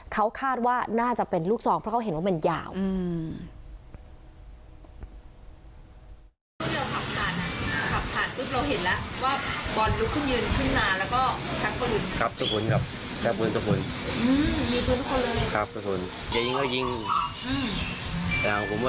เขาคาดว่าน่าจะเป็นลูกซองเพราะเขาเห็นว่ามันยาว